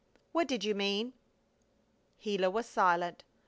What did you mean?" Gila was silent.